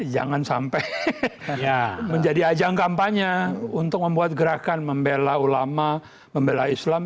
jangan sampai menjadi ajang kampanye untuk membuat gerakan membela ulama membela islam